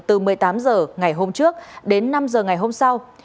từ một mươi tám h ngày hôm trước đến năm h ngày hôm sau